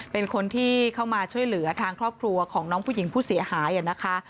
เป็นคนที่เข้ามาช่วยเหลือทางครอบครัวของน้องผู้หญิงผู้เสียหายนะคะ